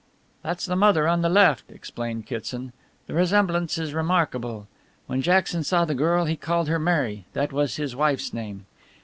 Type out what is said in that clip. "That's the mother on the left," explained Kitson, "the resemblance is remarkable. When Jackson saw the girl he called her Mary that was his wife's name.